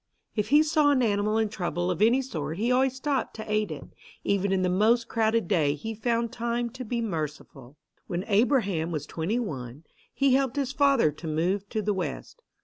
If he saw an animal in trouble of any sort he always stopped to aid it. Even in the most crowded day he found time to be merciful. When Abraham was twenty one he helped his father to move to the West.